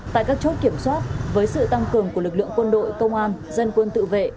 tại các chốt kiểm soát với sự tăng cường của lực lượng quân đội công an dân quân tự vệ